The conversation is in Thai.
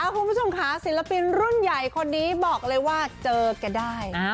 คุณผู้ชมค่ะศิลปินรุ่นใหญ่คนนี้บอกเลยว่าเจอแกได้